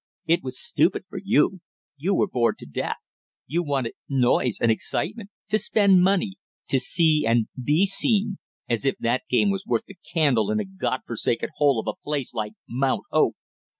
It was stupid for you, you were bored to death, you wanted noise and excitement, to spend money, to see and be seen, as if that game was worth the candle in a God forsaken hole of a place like Mount Hope!